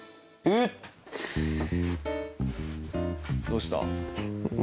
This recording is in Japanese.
どうした？